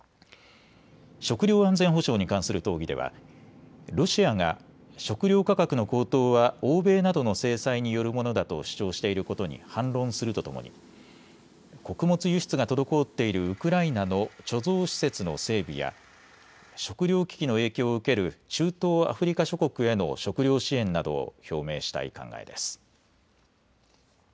食料安全保障に関する討議ではロシアが食料価格の高騰は欧米などの制裁によるものだと主張していることに反論するとともに穀物輸出が滞っているウクライナの貯蔵施設の整備や食料危機の影響を受ける中東アフリカ諸国への食料支援などを表明したい考えです。